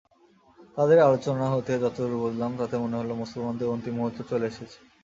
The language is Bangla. তাদের আলোচনা হতে যতদূর বুঝলাম তাতে মনে হল, মুসলমানদের অন্তিম মুহুর্ত চলে এসেছে।